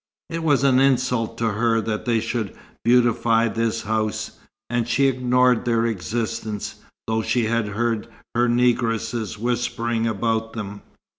It was an insult to her that they should beautify this house, and she ignored their existence, though she had heard her negresses whispering about them.